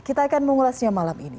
kita akan mengulasnya malam ini